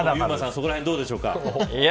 そこらへんどうでしょうか。